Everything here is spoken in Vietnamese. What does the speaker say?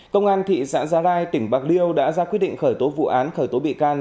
công an thị xã gia rai tỉnh bạc liêu đã ra quyết định khởi tố vụ án khởi tố bị can